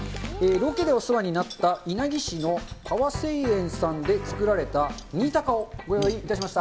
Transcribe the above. ロケでお世話になった稲城市の川清園さんで作られた、新高をご用意いたしました。